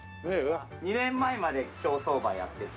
２年前まで競走馬やってて。